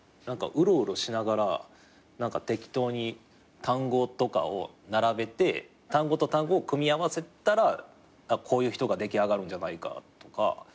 うろうろしながら適当に単語とかを並べて単語と単語を組み合わせたらこういう人が出来上がるんじゃないかとか。